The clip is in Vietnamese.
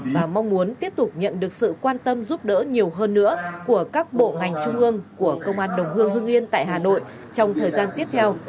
và mong muốn tiếp tục nhận được sự quan tâm giúp đỡ nhiều hơn nữa của các bộ ngành trung ương của công an đồng hương hương yên tại hà nội trong thời gian tiếp theo